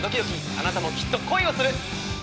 あなたもきっと恋をする！